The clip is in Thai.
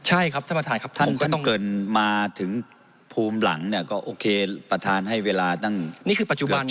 ใช่ครับท่านประธานครับท่านเปิดมาถึงภูมิหลังเนี่ยก็โอเคประธานให้เวลานั่งเกือบชั่วโมงแล้วนะครับ